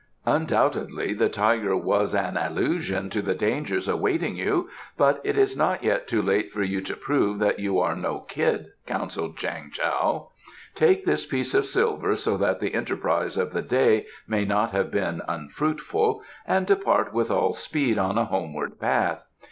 "Undoubtedly the tiger was an allusion to the dangers awaiting you, but it is not yet too late for you to prove that you are no kid," counselled Chang Tao. "Take this piece of silver so that the enterprise of the day may not have been unfruitful and depart with all speed on a homeward path.